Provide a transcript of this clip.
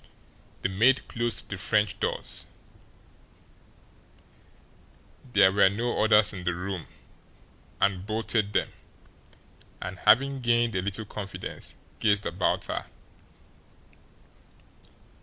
The maid closed the French windows, there were no others in the room, and bolted them; and, having gained a little confidence, gazed about her.